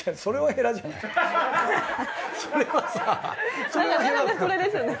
それはさ。